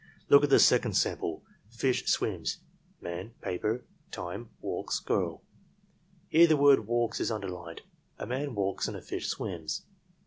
"Look at the second sample: Fish — swims :: man — paper, time, walks, girl. "Here the word walks is underlined. A man walks and a fish swims.